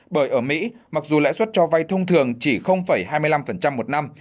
bởi ở mỹ mặc dù lãi suất cho vay thông thường chỉ hai mươi năm một năm